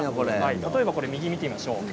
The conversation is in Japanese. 例えば見てみましょう。